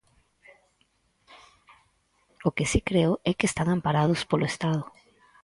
O que si que creo é que están amparados polo Estado.